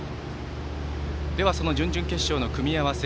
その準々決勝の組み合わせ。